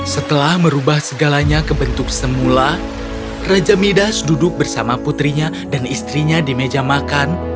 setelah merubah segalanya ke bentuk semula raja midas duduk bersama putrinya dan istrinya di meja makan